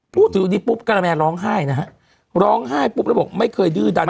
พูดถึงวันนี้ปุ๊บการะแมร้องไห้นะฮะร้องไห้ปุ๊บแล้วบอกไม่เคยดื้อดัน